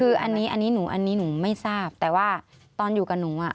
คืออันนี้อันนี้หนูอันนี้หนูไม่ทราบแต่ว่าตอนอยู่กับหนูอ่ะ